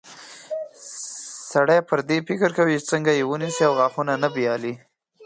سړی پر دې فکر کوي چې څنګه یې ونیسي او غاښونه نه بایلي.